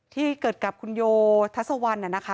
ที่เกิดกับคุณโยทัศวัลเนี่ยนะคะ